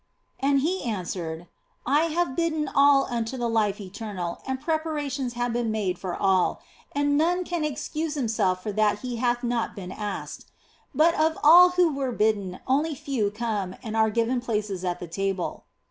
And He answered :" I have bidden all unto the life eternal and preparations have been made for all, and none can excuse himself for that he hath not been asked. But of all who were bidden only few come and are given places at the table."